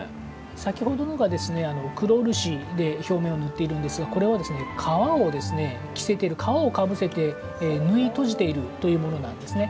先ほどのが、黒漆で表面を塗っているんですがこれは革を着せて、革をかぶせて縫い閉じているものなんですね。